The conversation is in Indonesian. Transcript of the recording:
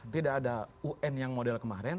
tidak ada un yang model kemarin